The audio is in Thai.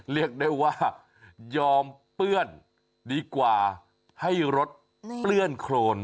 เรียกได้ว่ายอมเปื้อนดีกว่าให้รถเปื้อนโครน